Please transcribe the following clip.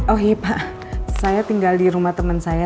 oh iya pak saya tinggal di rumah temen saya